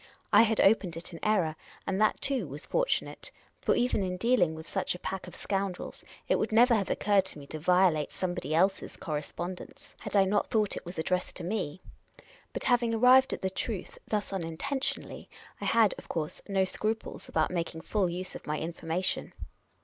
I had opened it in error, and that, too, was fortunate, for even in dealing with such a pack of scoundrels, it would never have occurred to me to violate somebody else's correspondence had I not thought it was The Unprofessional Detective 333 addressed to me. But having arrived at the truth thus un intentionally, I had, of course, no scruples about making full use of my information.